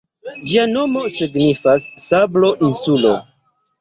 Ĝia nomo signifas "Sablo-insulo".